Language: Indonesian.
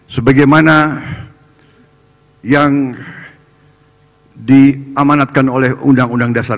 sebagaimana yang diamanatkan oleh undang undang dasar